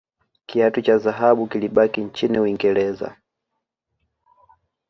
kiatu cha dhahabu kilibaki nchini uingereza